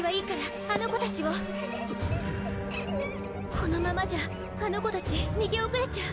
このままじゃあの子たち逃げ遅れちゃう！